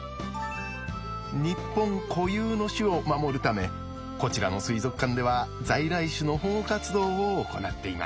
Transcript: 日本固有の種を守るためこちらの水族館では在来種の保護活動を行っています。